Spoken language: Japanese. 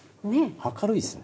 明るいですね。